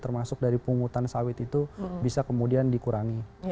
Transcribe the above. termasuk dari pungutan sawit itu bisa kemudian dikurangi